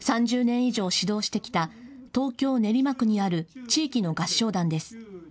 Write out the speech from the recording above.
３０年以上、指導してきた東京・練馬区にある地域の合唱団です。